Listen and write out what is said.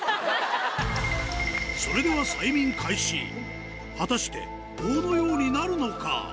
それでは催眠開始果たして棒のようになるのか？